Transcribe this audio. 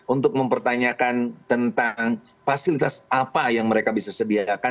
untuk mempertanyakan tentang fasilitas apa yang mereka bisa sediakan